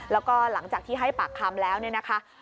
แล้วก็หลังจากที่ให้ปากคำแล้วเนี่ยนะคะ